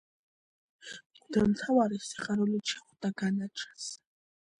მღვდელმთავარი სიხარულით შეხვდა განაჩენს.